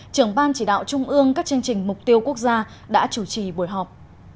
trưởng ban chỉ đạo trung ương các chương trình mục tiêu quốc gia đã chủ trì buổi họp